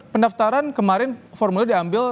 pendaftaran kemarin formula diambil